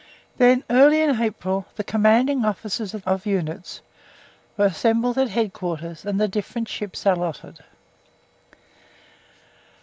Then, early in April, the commanding officers of units were assembled at Headquarters and the different ships allotted.